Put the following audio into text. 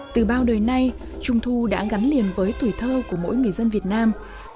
từ bao đời nay trung thu đã gắn liền với tuổi thơ của mỗi người dân việt nam